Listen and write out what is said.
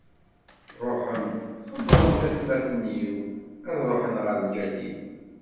Ṛuḥemt, xebbṛemt atmaten-iw ad ṛuḥen ɣer Galil.